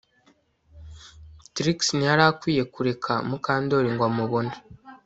Trix ntiyari akwiye kureka Mukandoli ngo amubone